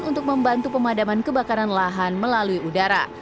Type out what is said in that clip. untuk membantu pemadaman kebakaran lahan melalui udara